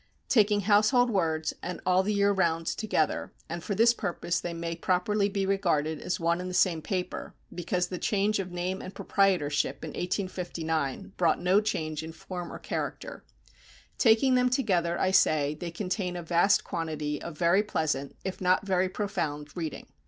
Taking Household Words and All the Year Round together and for this purpose they may properly be regarded as one and the same paper, because the change of name and proprietorship in 1859 brought no change in form or character, taking them together, I say, they contain a vast quantity of very pleasant, if not very profound, reading.